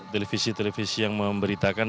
televisi televisi yang memberitakan